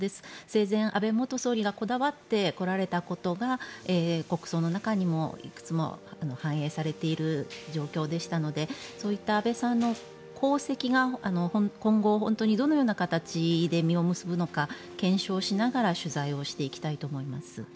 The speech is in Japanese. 生前、安倍元総理がこだわってこられたことが国葬の中にも、いくつも反映されている状況でしたのでそういった安倍さんの功績が今後、本当にどのような形で実を結ぶのか、検証しながら取材をしていきたいと思います。